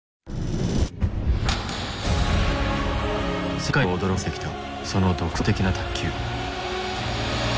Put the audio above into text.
世界を驚かせてきたその独創的な卓球。